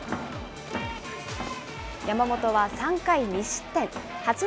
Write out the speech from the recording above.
山本は３回２失点。